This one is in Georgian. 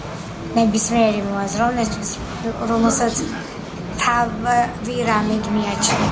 ნებისმიერი მოაზროვნესთვის, რომელსაც თავი რამედ მიაჩნია,